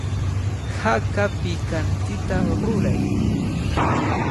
Haka pikantita ruray.